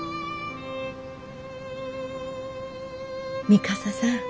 三笠さん。